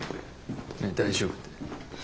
何大丈夫って。